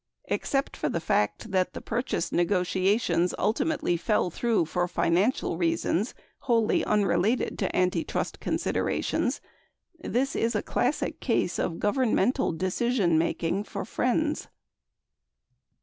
Except for the fact that the purchase negotiations ultimately fell through for financial reasons wholly unrelated to antitrust considerations, this is a classic case of governmental decision making for friends.